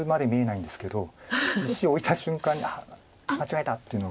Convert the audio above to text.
石置いた瞬間に「あっ間違えた」っていうのが。